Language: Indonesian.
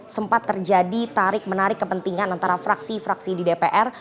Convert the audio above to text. sempat terjadi tarik menarik kepentingan antara fraksi fraksi di dpr